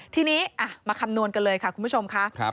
ทีนี้มาคำนวณกันเลยค่ะคุณผู้ชมค่ะ